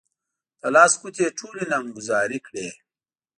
د لاس ګوتې يې ټولې نامګذاري کړې.